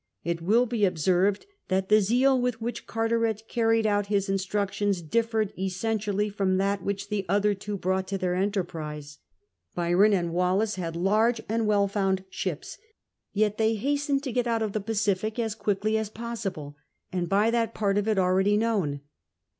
It will be observed that the zeal with which Carteret carried out his instructions differed essentially from that which the other two brought to their enterprise. Byron V CAPTAIN CARTERET 6S and Wallis had large and well found ships. Yet thC hastened to get out of the Pacific as quickly as possible, and by that part of it already known.